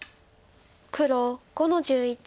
黒５の十一。